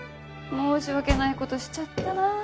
申し訳ない事しちゃったなあ。